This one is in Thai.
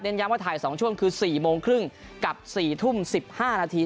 ย้ำว่าถ่าย๒ช่วงคือ๔โมงครึ่งกับ๔ทุ่ม๑๕นาที